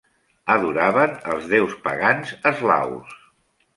Adoraven els déus pagans eslaus.